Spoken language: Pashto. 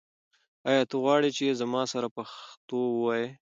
آیا ته غواړې چې زما سره پښتو ووایې؟